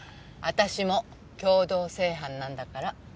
私も共同正犯なんだから。